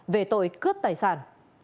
về tội cướp tài sản